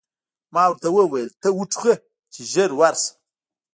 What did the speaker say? ما ورته وویل: ته و ټوخه، چې ژر ورشم.